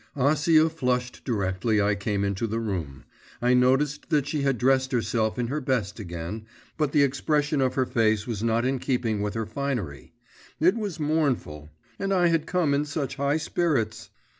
Acia flushed directly I came into the room; I noticed that she had dressed herself in her best again, but the expression of her face was not in keeping with her finery; it was mournful. And I had come in such high spirits!